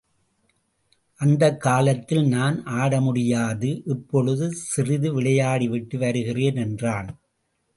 அந்தக் காலத்தில் நான் ஆடமுடியாது இப்பொழுது சிறிது விளையாடி விட்டு வருகிறேன் என்றான்.